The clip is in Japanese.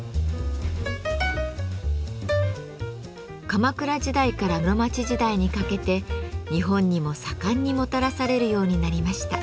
鎌倉時代から室町時代にかけて日本にも盛んにもたらされるようになりました。